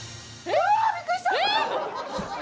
えっ！？